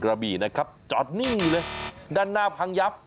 กระบีนะครับจอดนี่เลยด้านหน้าพังยับ